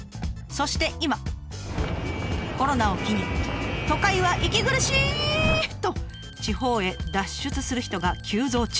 そして今コロナを機に「都会は息苦しぃ」と地方へ脱出する人が急増中。